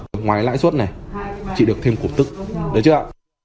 ngoài cái lãi suất này chị được thêm cổ tức được chưa ạ